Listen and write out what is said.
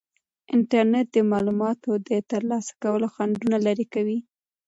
انټرنیټ د معلوماتو د ترلاسه کولو خنډونه لرې کوي.